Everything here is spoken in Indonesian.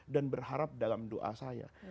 dan berharap dalam doa saya